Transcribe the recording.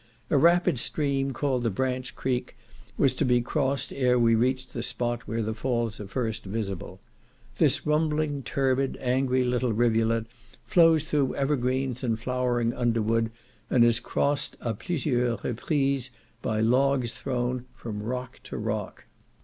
A rapid stream, called the "Branch Creek," was to be crossed ere we reached the spot where the falls are first visible. This rumbling, turbid, angry little rivulet, flows through evergreens and flowering underwood, and is crossed a plusieures reprises, by logs thrown from rock to rock.